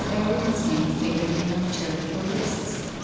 Erring ton's name figured in no charitable lists.